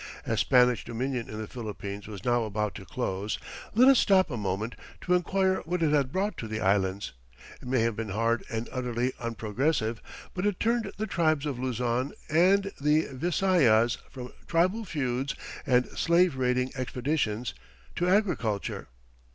As Spanish dominion in the Philippines was now about to close, let us stop a moment to inquire what it had brought to the Islands. It may have been hard and utterly unprogressive, but it turned the tribes of Luzon and the Visayas from tribal feuds and slave raiding expeditions to agriculture.